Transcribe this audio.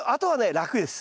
楽です。